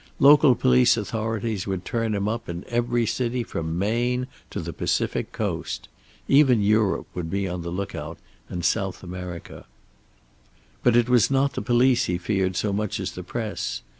Local police authorities would turn him up in every city from Maine to the Pacific coast. Even Europe would be on the lookout and South America. But it was not the police he feared so much as the press.